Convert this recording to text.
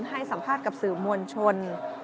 ให้สัมภาษณ์กับสื่อมวลชน